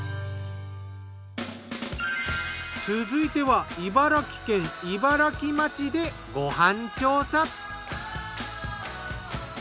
続いては茨城県茨城町でご飯調査。